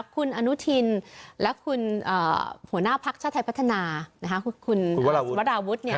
คุณอนุทินและคุณหัวหน้าภักดิ์ชาติไทยพัฒนานะคะคุณวราวุฒิเนี่ย